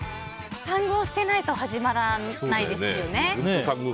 ３軍を捨てないと始まらないですよね。